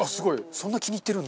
そんな気に入ってるんだ。